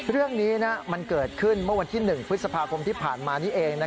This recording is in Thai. เรื่องนี้มันเกิดขึ้นเมื่อวันที่๑พฤษภาคมที่ผ่านมานี้เอง